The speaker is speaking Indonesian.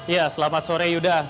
ya selamat sore yuda